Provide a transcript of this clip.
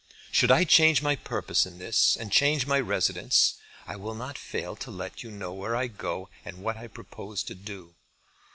Should I change my purpose in this, and change my residence, I will not fail to let you know where I go and what I propose to do.